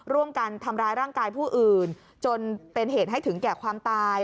ร่วมกันทำร้ายร่างกายผู้อื่นจนเป็นเหตุให้ถึงแก่ความตาย